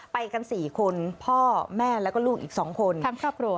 ไปกัน๔คนพ่อแม่แล้วก็ลูกอีก๒คนทั้งครอบครัว